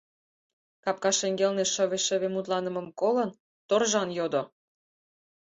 Капка шеҥгелне шыве-шыве мутланымым колын, торжан йодо: